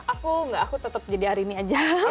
aku nggak aku tetap jadi arini aja